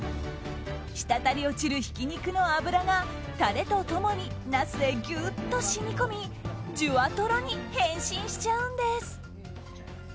滴り落ちるひき肉の脂がタレと共にナスへギュッと染み込みジュワトロに変身しちゃうんです。